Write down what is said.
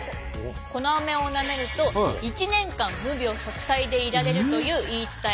このアメをなめると一年間無病息災でいられるという言い伝えがあるんです。